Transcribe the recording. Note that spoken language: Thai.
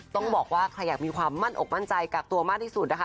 ต้องบอกว่าใครอยากมีความมั่นอกมั่นใจกักตัวมากที่สุดนะคะ